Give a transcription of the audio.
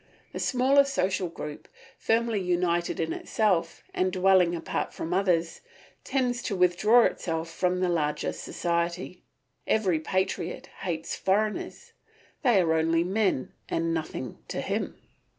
The smaller social group, firmly united in itself and dwelling apart from others, tends to withdraw itself from the larger society. Every patriot hates foreigners; they are only men, and nothing to him.